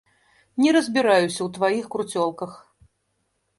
Не разбіраюся ў тваіх круцёлках.